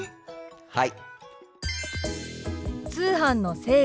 はい。